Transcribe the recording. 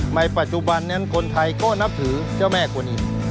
ปัจจุบันนั้นคนไทยก็นับถือเจ้าแม่กวนอิม